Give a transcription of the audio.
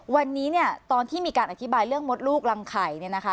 วันนี้เนี่ยตอนที่มีการอธิบายเรื่องมดลูกรังไข่เนี่ยนะคะ